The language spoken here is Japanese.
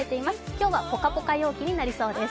今日もポカポカ陽気になりそうです。